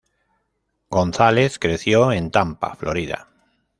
Gonzalez creció en Tampa, Florida.